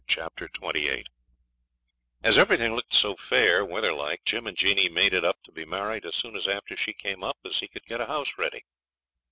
Chapter 28 As everything looked so fair weather like, Jim and Jeanie made it up to be married as soon after she came up as he could get a house ready.